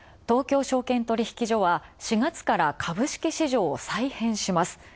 東京証券取引所は、４月から株式市場を再編します。